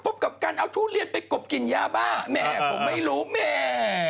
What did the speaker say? กับการเอาทุเรียนไปกบกินยาบ้าแม่ผมไม่รู้แม่